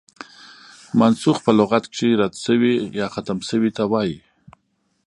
منسوخ په لغت کښي رد سوی، يا ختم سوي ته وايي.